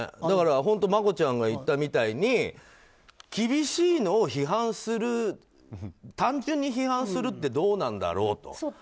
だからマコちゃんが言ったみたいに厳しいのを単純に批判するってどうなんだろうと。